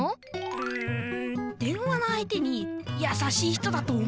うん電話の相手にやさしい人だと思わせたいから！